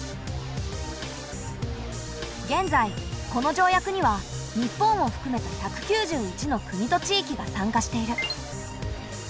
現在この条約には日本をふくめた１９１の国と地域が参加している。